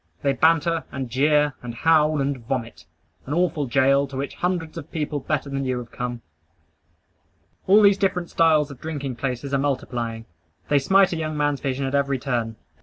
They banter, and jeer, and howl, and vomit. An awful goal, to which hundreds of people better than you have come. All these different styles of drinking places are multiplying. They smite a young man's vision at every turn.